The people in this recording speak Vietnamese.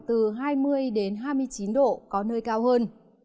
từ hai mươi hai mươi chín độ có nơi cao hơn